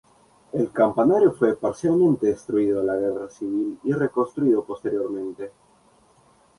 El campanario fue parcialmente destruido a la guerra civil y reconstruido posteriormente.